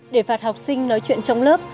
để phạt học sinh nói chuyện trong lớp